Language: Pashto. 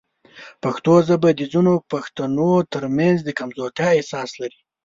پښتو ژبه د ځینو پښتنو ترمنځ د کمزورتیا احساس لري.